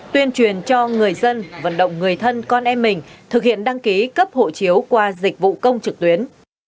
tuyên truyền cho người dân vận động người thân con em mình thực hiện đăng ký cấp hộ chiếu qua dịch vụ công trực tuyến